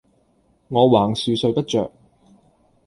我橫豎睡不着，